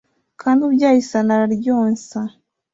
kandi ubyaye ishyano araryonsa!